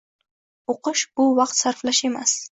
O`qish bu vaqt sarflash emas